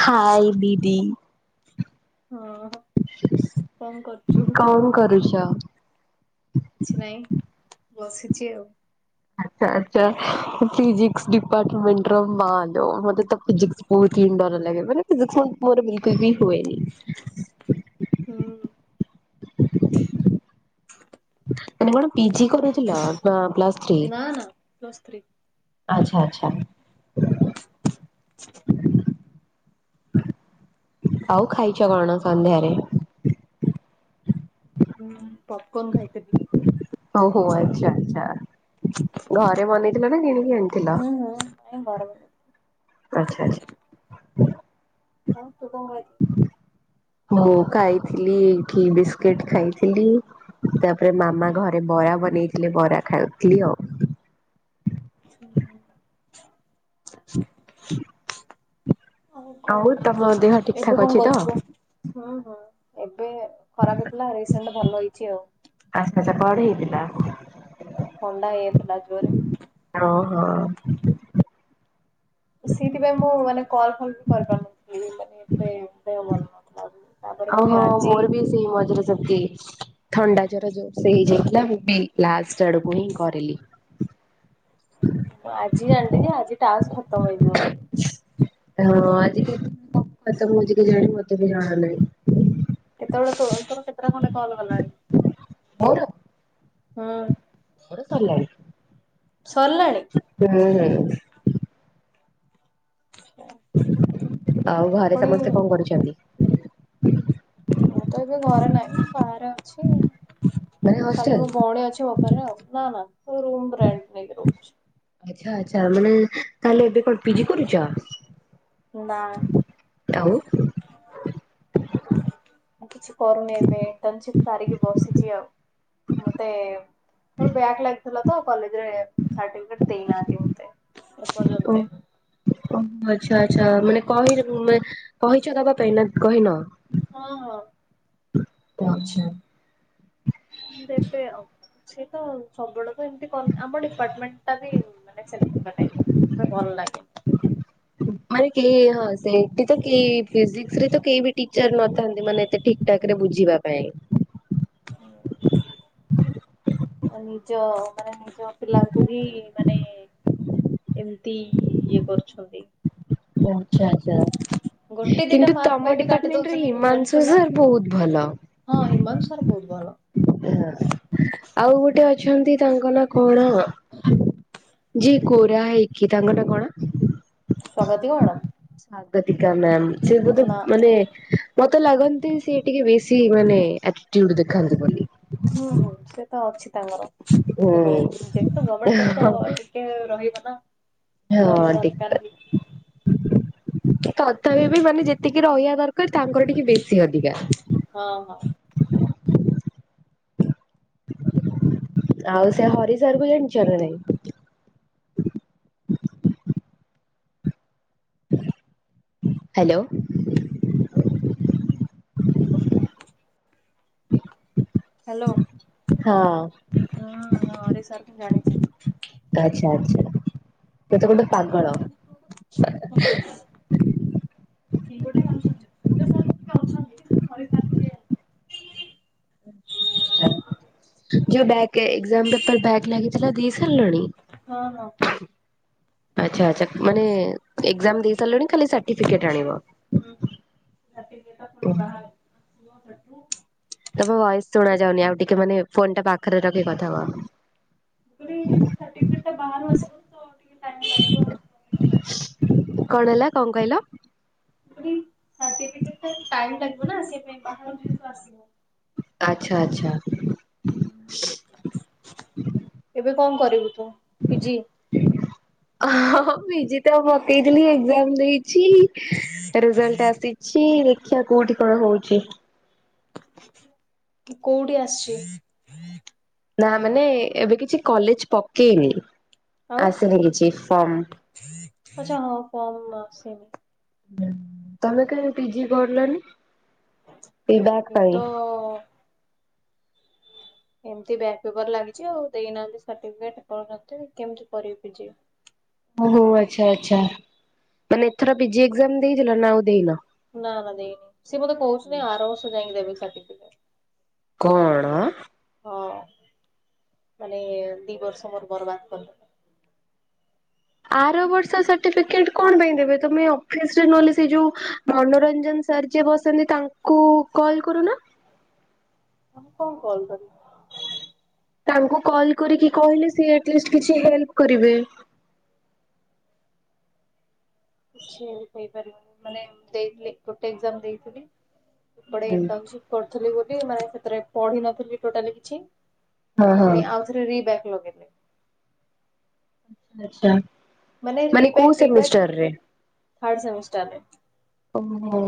ହାଏ ଦିଦି। ହଁ। କଣ କରୁଛୁ? କଣ କରୁଛ। କିଛି ନାଇଁ ବସିଛି ଆଉ। ଆଚ୍ଛା ଆଚ୍ଛା, ଫିଜିକ୍ସ ଡିପାର୍ଟମେଣ୍ଟର ମାଲୋ ମତେ ତ ଫିିଜିକ୍ସ ବହୁତ ହି ଡର ଲାଗେ ମାନେ ଫିଜିକ୍ସ ମୋର ବିଲକୁଲ ବି ହୁଏନି। ହୁଁ। ତମେ କଣ ପିଜି କରୁଥିଲ ନା ପ୍ଲସ ଥ୍ରୀ? ନା ନା ପ୍ଲସ୍ ଥ୍ରୀ ଆଚ୍ଛା ଆଚ୍ଛା। [inaudible] ଆଉ ଖାଇଛ କଣ ସନ୍ଧ୍ୟାରେ? ହୁଁ ପପକର୍ନ ଖାଇଥିଲି। ଓହୋ ଆଚ୍ଛା ଆଚ୍ଛା। ଘରେ ବନେଇଥିଲ ନା କିଣିକି ଆଣିଥିଲ, ହୁଁ ହୁଁ ଏ ବରାବର ଆଛା ଆଛା। ଆଁ ତୁ କଣ ଖାଇଛୁ? ମୁଁ ଖାଇଥିଲି ଟି ବିସ୍କିଟ ଖାଇଥିଲି। ତାପରେ ମାମା ଘରେ ବରା ବନେଇଥିଲେ ବରା ଖାଉଥିଲି ଆଉ। ହ ହ ହ ଆଉ କଣ, ଠିକ ଏବେ ଠାକ କଣ ଅଛି ତ? କରୁଛ? ହ ହ ଏବେ ଖରାପ ହେଇଥିଲା ରିସେଣ୍ଟ ଭଲ ହେଇଛି ଆଉ। ଆଛା ଆଛା, କଣ ହେଇଥିଲା? ଥଣ୍ଡା ହେଇଯାଇଥିଲା ଜୋରେ। ଓ ହୋ। ସେଇଥିପାଇଁ ମୁଁ ମାନେ କଲ ଫଲ ବି କରିପାରୁନଥିଲି ମାନେ ଏତେ ଦେହ ଭଲ ନଥିଲା। ତାପରେ ହଁ ପୁଣି ହଁ ଆଜି ମୋର ବି ସେଇ ମଝିରେ ସେମିତି ଥଣ୍ଡା ଜ୍ୱର ଯୋରସେ ହେଇ ଯାଇଥିଲା। ମୁଁ ବି ଲାଷ୍ଟ ଆଡ଼କୁ ହିଁ କରିଲି। ମୁଁ ଆଜି ଯାଣିଲି ଯେ ଆଜି ଟାସ୍କ ଖତମ ହେଇଯିବ ବୋଲି। ହଁ ଆଜି [inaudible] ଖତମ ହୋଉଛି କେଜାଣି ମତେ ବି ଜଣା ନାହିଁ। କେତେବେଳେ ତ ତୋର କେତେଟା ଖଣ୍ଡେ କଲ ଗଲାଣି। ମୋର ହଁ, ମୋର ସରିଲାଣି। ସରିଲାଣି ହୁଁ-ଉ-ଉ-ଉ। ଆଉ ଘରେ ପୁଣି ସମସ୍ତେ କଣ କରୁଛନ୍ତି? ମୁଁ ତ ଏବେ ଘରେ ନାହିଁ ବାହାରେ ଅଛି। ମାନେ ଖାଲି ହଷ୍ଟେଲ ମୋ ଭଉଣୀ ଅଛି ମୋ ପରେ ଆଉ ନା ନା ରୁମ୍ ରେଣ୍ଟ୍ ନେଇକି ରହୁଛି। ଆଚ୍ଛା ଆଚ୍ଛା, ମାନେ ତାହେଲେ ଏବେ କଣ ପିଜି କରୁଛ? ନା ଦାଉ, ମୁଁ କିଛି କରୁନି ଏବେ ଇଣ୍ଟର୍ନସିପ ସାରିକି ବସିଛି ଆଉ। ମତେ-ଏ-ଏ ମୋର ବ୍ୟାକ୍ ଲାଗିଥିଲା ତ କଲେଜରେ ସାର୍ଟିଫିକେଟ ଦେଇ ନାହାନ୍ତି ମତେ ଏପର୍ଯ୍ୟନ୍ତେ। ଓ ଆଛା ଆଛା, ମାନେ କହି ମ୍ କହିଛ ଦବା ପାଇଁ ନା କହିନ? ହଁ ହଁ, କହିଛି ଦେବେ ଆଉ। ସେ ତ ସବୁବେଳକୁ ଏମିତି କ ଆମ ଡିପାର୍ଟମେଣ୍ଟ ଟା ବି ମାନେ ସେମିତି। [unintelligible] ଭଲ ଲାଗେ। ଘରେ କେ ହଁ ସେ ଏଠି ତ କେ-ଏ-ଏ ଫିଜିକ୍ସ ରେ ତ କେହି ବି ଟିଚର ନଥାନ୍ତି ମାନେ ଏତେ ଠିକ ଠାକ ରେ ବୁଝିବା ପାଇଁ। [unintelligible] ଅ ନିଜ ମାନେ ନିଜ ପିଲାଙ୍କୁ ବି ମାନେ ଏମିତି ଇଏ କରୁଛନ୍ତି। ଓ ଆଚ୍ଛା ଆଚ୍ଛା। ଗୋଟେ ଦିଟା କିନ୍ତୁ ମାର୍କ ପାଇଁ ତମ ବି କାଟି ଡିପାର୍ଟମେଣ୍ଟରେ ଦଉଛନ୍ତି ଜାଣିଛୁ ହିମାଂଶୁ ନା। ସାର୍ ବହୁତ ଭଲ। ହଁ ହିମାଂଶୁ ସାର୍ ବହୁତ ଭଲ। ହଁ ଆଉ ଗୋଟେ ଅଛନ୍ତି ତାଙ୍କ ନାଁ କଣ ଯିଏ ଗୋରା ହେଇକି ତାଙ୍କ ନାଁ କଣ? ସ୍ଵାଗତିକା ମ୍ୟାଡ଼ାମ୍। ସ୍ଵଗତିକା ମ୍ୟାମ୍ ସେ ବୋଧେ ନା ମାନେ-ଏ-ଏ ମତେ ଲାଗନ୍ତି ସିଏ ଟିକେ ବେଶୀ ମାନେ ଆଟିଟିୟୁଡ଼ ଦେଖାନ୍ତି ବୋଲି। ହୁଁ ହୁଁ ସେ ତ ଅଛି ତାଙ୍କର ହୁଁ। ଟିକେ ରହୁଚି ଯେ ତ ଗଭର୍ଣମେଣ୍ଟ [unintelligible] କେ-ଏ-ଏ ରହିବ ନା। ରହିବା ହଁ-ଅ-ଅ ଠିକ ଦରକାର ବି କଥା। ତଥାପି ବି ମାନେ ଯେତିକି ରହିବା ଦରକାର ତାଙ୍କର ଟିକେ ବେଶୀ ଅଧିକା। ହଁ, ହଁ। ଆଉ ସେ ହରିସାର୍ କୁ ଜାଣିଛ ନା ନାହିଁ? Hello, hello, hello. ହଁ ହଁ ହରି ସାର କୁ ମୁଁ ଜାଣିଛି। ଆଛା ଆଛା ସେତ ଗୋଟେ ପାଗଳ। ସିଏ ଗୋଟେ ଆଉ ସୂର୍ଯ୍ୟ ସୂର୍ଯ୍ୟ ସାର୍ ଟିକେ ଅଛନ୍ତି କିନ୍ତୁ ହରି ସାର୍ ଟିକେ ହ ଯୋଉ ବ୍ୟାକେ ଏଜାମ ରେ ତୋର ବ୍ୟାକ୍ ଲାଗିଥିଲା ଦେଇ ସାରିଲାଣି? ହଁ ହଁ। ଆଛା ଆଛା ମାନେ ଏକ୍ଜାମ୍ ଦେଇ ସାରିଲଣି ଖାଲି ସାଟିଫିକେଟ୍ ଆଣିବ। ସାଟିଫିକେଟ୍ ଟା ପୁଣି ବାହା [unintelligible] ତମ ଭଏସ ଶୁଣା ଯାଉନି ଆଉ ଟିକେ ମାନେ ଫୋନ ଟା ପାଖରେ ରଖିକି କଥା କୁହ। ମୁଁ କହିଲି ସାଟିଫିକେଟ୍ ବାହାରୁ ଆସିବ ତ ଟିକେ ଟାଇମ ଲାଗିବ। କଣ ହେଲା କଣ କହିଲ? ମୁଁ କହିଲି ସାଟିଫିକେଟ ଟା ଟାଇମ ଲାଗିବ ନା ସେଇଥିପାଇଁ ବାହାରୁ ଯେହେତୁ ଆସିବ। ଆଚ୍ଛା ଆଚ୍ଛା। ଏବେ କଣ କରିବୁ ତୁ ପିଜି। ହଁ ହଁ ପିଜି ତ ମକେଇଥିଲି ଏକ୍ଜାମ ଦେଇଛି ରେଜଲ୍ଟ ଆସି ଛି ଦେଖିଆ କୋଉଠି କଣ ହଉଛି। କୋଉଠି ଆସିଛି। ନା ମାନେ ଏବେ କିଛି କଲେଜ ପକେଇନି ଆସିନି କିଛି ଫର୍ମ। ଆଛା ହଁ ଫର୍ମ ଆସୁନି। ତମେ କାଇଁ ପିଜି କଲନି ଏଇ ବ୍ୟାକ ଏଇ ପାଇଁ? ହ ଏମିତି ବ୍ୟାଗ ପେପର ଲାଗିଛି ଆଉ ଦେଇନାହାନ୍ତି ସାର୍ଟିଫିକେଟ [unintelligible] କେମିତି କରିବି ଜେ। ଓହୋ ଆଚ୍ଛା ଆ୍ଛା ମାନେ ଏଥର ପିଜି ଏକ୍ଜାମ ଦେଇଥିଲ ନା ଆଉ ଦେଇନ? ନା ନା ଦେଇନି ସିଏ ମତେ କହୁଛନ୍ତିି ଆର ବର୍ଷ ଯାଇକି ଦେବେ ସାଟିଫିକେଟ୍। କଣ ହଁ ମାନେ ଦି ବର୍ଷ ମୋର ବର୍ବାଦ କରିଦେଲ। ଆର ବର୍ଷ ସାର୍ଟିଫିକେଟ କଣ ପାଇଁ ଦେବେ ତମେ ଅଫିସରେ ନହେଲେ ସେଇ ଯୋଉ ମନୋରଞ୍ଜନ ସାର୍ ଯିଏ ବସନ୍ତି ତାଙ୍କୁ କଲ କରୁନ। ଆଁ କଣ କଲ କରି ତାଙ୍କୁ କଲ କରିକି କହିଲେ ସେ ଅଟଲିଷ୍ଟ କିଛି ହେଲ୍ପ କରିବେ। କିଛି ବି କହିପାରିବନି ମାନେ ଦେଇଥିଲେ ଗୋଟେ [unintelligible] ଦେଇଥିଲି। ଗୋଟେ ହଁ ଇଣ୍ଟନଶିପ କରିଥିଲି ବୋଲି ମାନେ ସେଥିରେ ପଢି ନଥିଲି ଟୋଟାଲ କିଛି। ହଁ ପୁଣି ଆଉଥରେ ରି ବ୍ୟାକ ଲଗେଇଲେ। ଆଛା ମାନେ ରିବ୍ୟାକ୍ କୋଉ ରିବ୍ୟାକ୍ ସେମିଷ୍ଟାରରେ? ଥାର୍ଡ ସେମିଷ୍ଟାରରେ। ଓହୋ।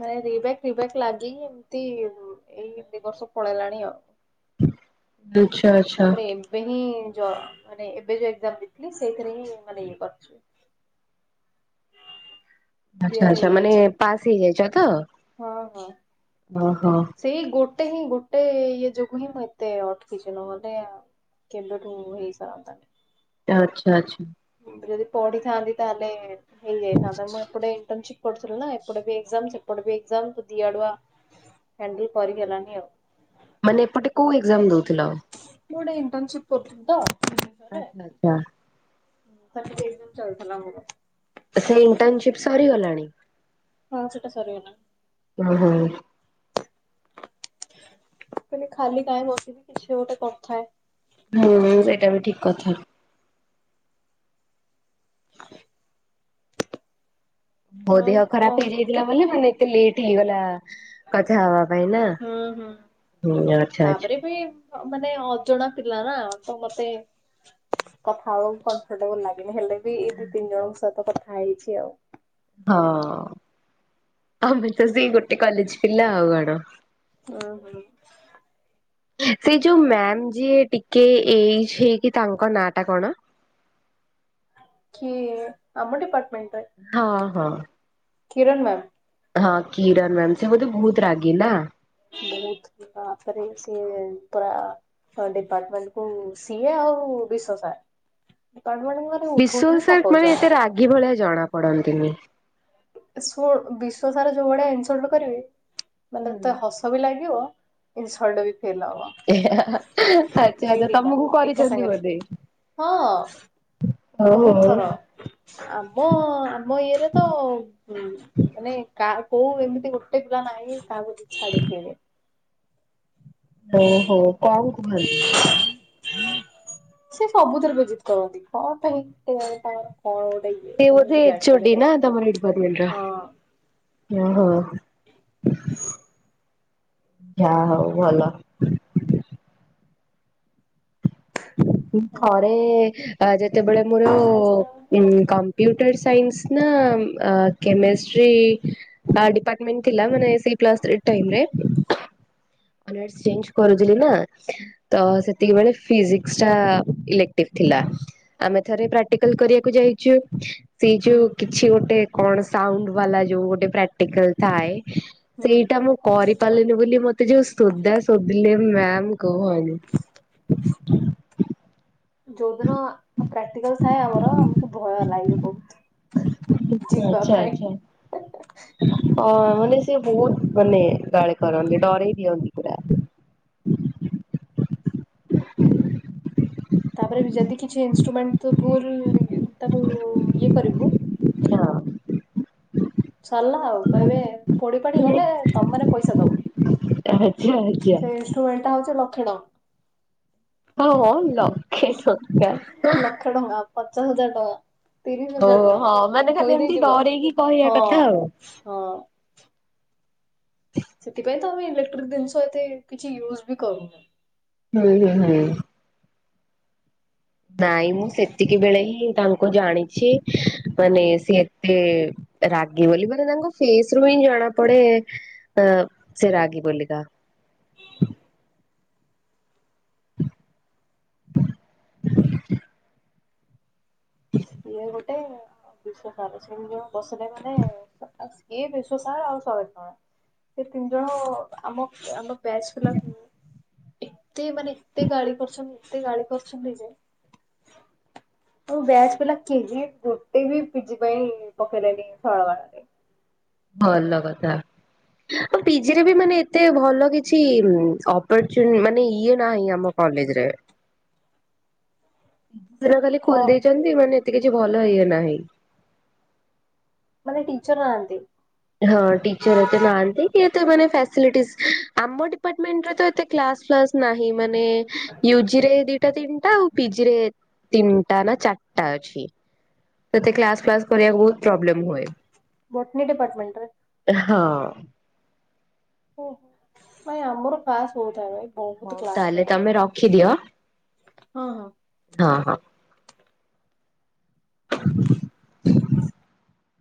ମାନେ ରିବ୍ୟାକ୍ ରିବ୍ୟାକ୍ ଲାଗିକି ଏମିତି ଏଇ ଦି ବର୍ଷ ପଳେଇଲାଣି ଆଉ। ଆଚ୍ଛା ଆଚ୍ଛା ତାପରେ ଏବେ ହିଁ ଯ ମାନେ ଏବେ ଯୋଉ ଏକ୍ଜାମ ଦେଇଥିଲି ସେଇଥିରେ ହିଁ ମାନେ ଇଏ କରୁଛି। ହଁ ଆଚ୍ଛା ଆଚ୍ଛା ମାନେ ପାସ୍ ହେଇଯାଇଛ ତ? ହଁ ହଁ। ଓହୋ। ସେଇ ଗୋଟେ ହିଁ ଗୋଟେ ଇଏ ଯୋଗୁ ହିଁ ମୁଁ ଏତେ ଅଟକିଛି ନହେଲେ ଆଉ କେବେଠୁ ହେଇ ସାରନ୍ତାଣି। ଆଚ୍ଛା ଆଚ୍ଛା। ମୁଁ ଯଦି ପଢିଥାନ୍ତି ତାହେଲେ ହେଇଯାଇଥାନ୍ତା ମୁଁ ଏପଟେ ଇଣ୍ଟର୍ନସିପ୍ କରୁଥିଲି ନା ଏପଟେ ବି ଏକ୍ଜାମ୍ ସେପଟେ ବି ଏକ୍ଜାମ୍ ଦିଆଡୁଆ ହାଣ୍ଡେଲ କରିପରିଲାନି ଆଉ। ମାନେ ଏପଟେ କୋଉ ଏକଜାମ ଦଉଥିଲ? ମୁଁ ଗୋଟେ ଇଣ୍ଟର୍ନସିପ୍ କରୁଥିଲି ତ। ଆଚ୍ଛା ଚ୍ଛା। ତା ର ସେ ସେଇଦିନୁ ଚାଲଥେଲା ଆମର। ସେ ଇଣ୍ଟର୍ନସିପ ସରିଗଲାଣି? ହଁ ସେଟା ସରିଗଲାଣି। ହଁ ହୁଁ। କହିଲି ଖାଲି କାଇଁ ବସିବି କିଛି ଗୋଟେ କରୁଥାଏ। ହୁଁ ଉଁ ସେଇଟା ବି ଠିକ୍ କଥା। [inaudible] ମୋ ଆଉ ଦେହ ଖରାପ୍ କଣ ହେଇଯାଇଥିଲା ବୋଲି ମାନେ ଏତେ ଲେଟ୍ ହେଇଗଲା। କଥା ହବା ପାଇଁ ନା। ହୁଁ ଆଚ୍ଛା ଆଚ୍ଛା। ତେବେ ହଁ ମାନେ ଅଜଣା ପିଲା ନା ତ ମତେ କଥା ହବାକୁ କମ୍ଫର୍ଟେବୁଲ ଲାଗେନି ହେଲେ ବି ଏଇ ଦି ତିନି ଜଣଙ୍କ ସହିତ କଥା ହେଇଛି ଆଉ। ହଁ ଆମେ ତ ସେଇ ଗୋଟେ କଲେଜ ପିଲା ଆଉ କଣ। ଅଁ ହୁଁ। ସେଇ ଯୋଉ ମ୍ୟାାମ୍ ଯିଏ ଟିକେ ଏଜ୍ ହେଇକି ତାଙ୍କ ନାଁ ଟା କଣ? କିଏ? ଆମ ଡିପାର୍ଟମେଣ୍ଟ ରେ? ହଁ ହଁ। କିରନ୍ ମ୍ୟାମ୍। ହଁ କିରନ୍ ମ୍ୟାାମ୍, ସେ ବୋଧେ ବହୁତ ରାଗି ନା। ବହୁତ୍ ତାପରେ ସେ ପୁରା ଆ ହଁ ଡିପାର୍ଟମେଣ୍ଟକୁ ସିଏ ଆଉ ବିଶ୍ଵ ସାର୍, ଡିପାର୍ଟମେଣ୍ଟକୁ ମାନେ ବିଶ୍ଵ ଉଠଉଛନ୍ତି ସାର୍ ମାନେ ପକଉଛନ୍ତି। ଏତେ ରାଗି ଭଳିଆ ଜଣା ପଡନ୍ତିନି। ଶୁଣ ବିଶ୍ଵ ସାର୍ ଯୋଉ ଭଳିଆ ଇନସଲ୍ଟ କରିବେ, ମାନେ ହୁଁ ତତେ ହସ ସବି ଲାଗିବ ଇନସଲ୍ଟ ବି ଫିଲ୍ ଆଚ୍ଛା ହବ। ଦି ଆଚ୍ଛା ଦିଟା ତମକୁ ଏକା କରିଛନ୍ତି ସାଙ୍ଗେରେ ବୋଧେ। ହଁ। ହଉ ବହୁତ୍ ହଉ। ଥର। ଆମ ଆମ ଇଏରେ ତ ହୁଁ। ମାନେ କା କୋଉ ଏମିତି ଗୋଟେ ପିଲା ନାହିଁ କାହାକୁ ସେ ଛାଡ଼ିଥିବେ। ଓ ହୋ କଁ କୁହନ୍ତି? [inaudible] ସେ ସବୁଥେରେ ବେଜିତ କରନ୍ତି କଣ ପାଇଁ କେଜାଣି କଣ? କଣ ଗୋଟେ? ଇଏ ସେ ମୁଁ ବି ବୋଧେ ଏଚ୍ ଓ ଡି ଜାଣିପାରେନି। ନା ତମର ଏଇ ଡିପାର୍ଟମେଣ୍ଟ ର? ହଁ ହଁ ହଁ। ଯା ହଉ ଭଲ। ଥରେ ଅ ଯେତେବେଳେ ମୋର ଇନକମ୍ ଇଉଟର୍ ସାଇନ୍ସ ନା ଉମ୍ ଅ କେମେଷ୍ଟ୍ରୀ ଆ ଡିପାର୍ଟମେଣ୍ଟ ଥିଲା ମାନେ ସେଇ ପ୍ଲସ୍ ଥ୍ରି ଟାଇମ୍ ରେ। ଅନର୍ସ ଚେଞ୍ଜ କରଦିଲି ନା। ତ ସେତିକ ବେଳେ ଫିଜିକ୍ସ ଟା ଇଲେକ୍ଟିଭ୍ ଥିଲା। ଆମେ ଥରେ ପ୍ରାକ୍ଟିକାଲ୍ କରିବାକୁ ଯାଇଚୁ ସେଇ ହୁଁ ଯୋଉ କିଛି ଗୋଟେ କଣ ସାଉଣ୍ଡ ବାଲା ଯୋଉ ଗୋଟେ ପ୍ରାକ୍ ଟିକଲ ଥାଏ, ହୁଁ ସେଇଟା ମୁଁ କରିପାରିଲିନି ବୋଲି ମୋତ୍ ତେ ଯୋଉ ସୋଦା ସୋଦିଲେ ମ୍ୟାମ୍ କୁହନି। ଯୋଉଦିନ ପ୍ରାକ୍ଟିକାଲ ଥାଏ ଆମର ଆମକୁ ଭୟ ଲାଗେ ବହୁତ୍। ହୁଁ ଆଚ୍ଛା ଆଚ୍ଛା। ଅଁ ମାନେ ସିଏ ବହୁତ ମାନେ ଗାଳି କରନ୍ତି, ଡରେଇ ଦିଅନ୍ତି ପୁରା। ତାପରେ ବି ଯେଦି କିଛି ଇନଷ୍ଟ୍ରୁମେଣ୍ଟକୁ ଭୁଲ୍ ତାକୁ ଇଏ କରିବୁ ହଁ। ସରଲା ଆଉ, କହିବେ ପୋଡ଼ି ପାଡ଼ି ଗଲେ ତମ୍ ମାନେ ପଇସା ଦବ। ଆଛା ଆଛା। ତ ଏଇଟା ହଉଛି ଲକ୍ଷଣ। ହଁ ଲକ୍ଷେ ଟଙ୍କା। ସେଇଟା ପଚାଶ ହଜାର ଟଙ୍କା। ତିରିଶ ଓ ହଜାର ଟଙ୍କା, ହଁ ମାନେ ଖାଲି ଥୋଇ ଏମିତି ଦେଇଯିବ ଡରେଇକି କହିବା କଥା ହଁ- ଆଉ ହଁ। ସେଥିପାଇଁ ତ ଆମେ ଇଲେକ୍ଟ୍ରିକ ଜିନିଷ, ଏତେ କିଛି ୟୁଜ୍ ବି କରୁନୁ। [unintelligible] ନାଇଁ ମୁଁ ସେତିକି ବେଳେ ହିଁ ତାଙ୍କୁ ଜାଣିଛି, ମାନେ ସେ ଏତେ ରାଗି ବୋଲି, ମାନେ ତାଙ୍କ ଫେସରୁ ହିଁ ଜଣାପଡେ ଅ ସେ ରାଗି ବୋଲିକା। ଇଏ ଗୋଟେ ଆଉ ବିଶ୍ୱ ସାର୍ ସିଏ ଦି ଜଣ ବସିଲେ ମାନେ, ସିଏ ବିଶ୍ଵ ସାର ଆଉ ଶରତ ସାର୍। ସେ ତିନି ଜଣ, ଆମ ଆମ ବ୍ୟାଚ ପିଲାକୁ ଏତେ ମାନେ ଏତେ ଗାଳି କରୁଛନ୍ତି ଏତେ ଗାଳି କରୁଛନ୍ତି ଯେ କୋଉ ବ୍ୟାଚ? ପିଲା କେହି ଗୋଟେ ବି ପି ଜି ପାଇଁ ପକେଇଲେନି ଫର୍ମ ରେ। ଭଲ କଥା। ଆଉ ପି ଜିରେ ବି ମାନେ ଏତେ ଭଲ କିଛି, ଅପରଚୁନ ମାନେ ଇଏ ନାହିଁ ଆମ କଲେଜରେ ପି ଜି ହେରା ଖାଲି ଅ ଖୋଲି ଦେଇଛନ୍ତି, ମାନେ ଏତେ କିଛି ଭଲ ଇଏ ନାହିଁ। ମାନେ ଟିଚର ନାହାଁନ୍ତି। ହଁ ଟିଚର ଏତେ ନାହାଁନ୍ତି, କି ଏତେ ମାନେ ଫାସିଲିଟିସ ଆମ ଏଠି ଡିପାଟମେଣ୍ଟରେ ତ ଏତେ କ୍ଲାସ ଫ୍ଲାସ ନାହିଁ, ମାନେ ୟୁଜି ରେ ଦିଟା ତିନିଟା ପି ଜିରେ ତିନିଟା ନା ଚାରିଟା ଅଛି। ସେତେ କ୍ଲାସ ଫ୍ଲାସ କରିବାକୁ ବହୁତ ପ୍ରୋବ୍ଲେମ ହୁଏ ବଟନୀ ଡିପାର୍ଟମେଣ୍ଟରେ। ହଁ। ଓ ହୋ ନାଇ ଆମର ଫାଷ୍ଟ ହଉଥାଏ। ହଉ ତାହେଲେ ତମେ ରଖିଦିଅ, ହଁ ହଁ। ହଁ ହଁ।